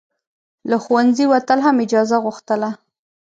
له ښوونځي وتل هم اجازه غوښتله.